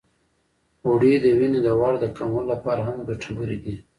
غوړې د وینې د غوړ د کمولو لپاره هم ګټورې دي.